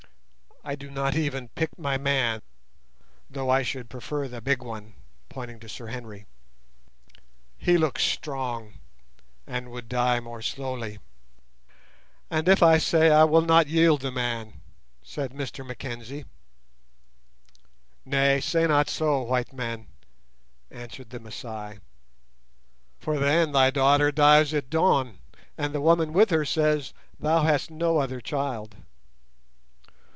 I do not even pick my man, though I should prefer the big one," pointing to Sir Henry; "he looks strong, and would die more slowly." "And if I say I will not yield the man?" said Mr Mackenzie. "Nay, say not so, white man," answered the Masai, "for then thy daughter dies at dawn, and the woman with her says thou hast no other child.